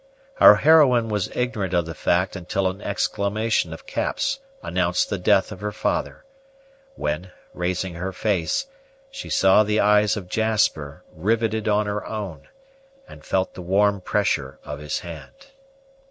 Our heroine was ignorant of the fact until an exclamation of Cap's announced the death of her father; when, raising her face, she saw the eyes of Jasper riveted on her own, and felt the warm pressure of his hand.